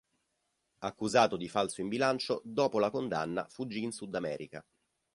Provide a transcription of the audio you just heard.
Accusato di falso in bilancio, dopo la condanna fuggì in Sud America.